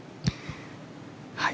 はい。